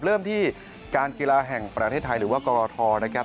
เริ่มที่การกีฬาแห่งประเทศไทยหรือว่ากรทนะครับ